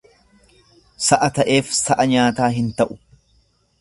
Sa'a ta'eef sa'a nyaataa hin ta'u.